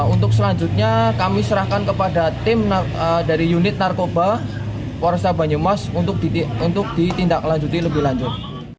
untuk selanjutnya kami serahkan kepada tim dari unit narkoba poresta banyumas untuk ditindaklanjuti lebih lanjut